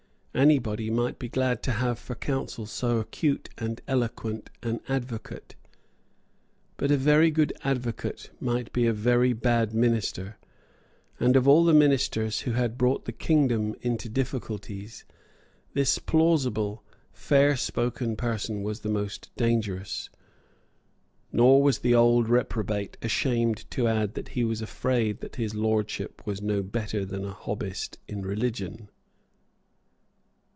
Anybody might be glad to have for counsel so acute and eloquent an advocate. But a very good advocate might be a very bad minister; and, of all the ministers who had brought the kingdom into difficulties, this plausible, fair spoken person was the most dangerous. Nor was the old reprobate ashamed to add that he was afraid that his Lordship was no better than a Hobbist in religion.